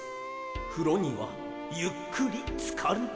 「ふろにはゆっくりつかるべし」